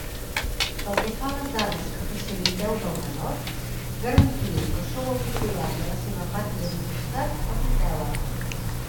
Pel que fa a les dades que faciliteu del menor, garantiu que sou el titular de la seva pàtria potestat o tutela.